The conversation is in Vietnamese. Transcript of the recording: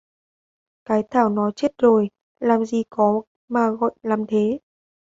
Cái Thảo nó chết rồi làm gì có mà gọi lắm thế